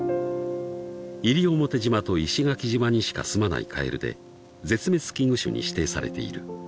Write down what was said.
［西表島と石垣島にしかすまないカエルで絶滅危惧種に指定されている］